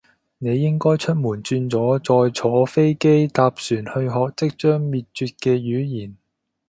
你應該出門轉左，再坐飛機，搭船去學即將滅絕嘅語言